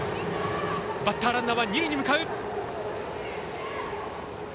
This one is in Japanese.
バッターランナーは二塁に向かう。